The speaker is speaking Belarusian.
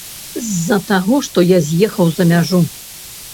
З-за таго, што я з'ехаў за мяжу.